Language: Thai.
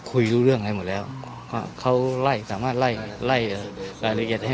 คุยรู้เรื่องอะไรหมดแล้วก็เขาไล่สามารถไล่ไล่รายละเอียดให้